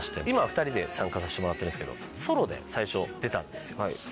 今は２人で参加さしてもらってるんですけどソロで最初出たんですよ。